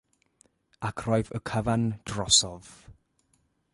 Ac roedd y cyfan drosodd.